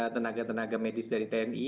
tenaga tenaga medis dari tni